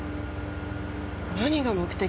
何が目的？